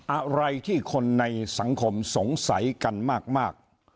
อะไรที่คนในสังคมสงสัยกันมาก